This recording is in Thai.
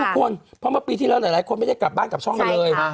เพราะเมื่อปีที่แล้วหลายคนไม่ได้กลับบ้านกลับช่องกันเลย